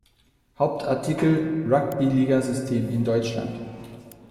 Hauptartikel: Rugby-Ligasystem in Deutschland.